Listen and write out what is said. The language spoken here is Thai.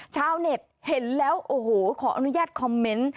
ชาวเน็ตเห็นแล้วโอ้โหขออนุญาตคอมเมนต์